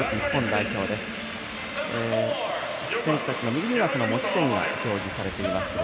選手たちの右には持ち点が表示されています。